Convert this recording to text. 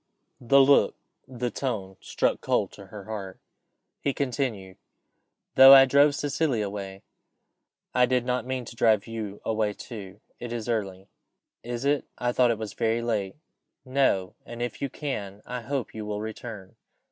The look, the tone, struck cold to her heart. He continued "Though I drove Cecilia away, I did not mean to drive you away too. It is early." "Is it? I thought it was very late." "No and if you can, I hope you will return."